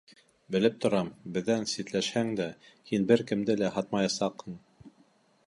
Белеп торам, беҙҙән ситләшһәң дә, һин бер кемде лә һатмаясаҡһың.